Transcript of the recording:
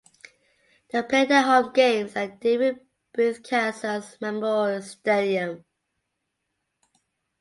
They play their home games at David Booth Kansas Memorial Stadium.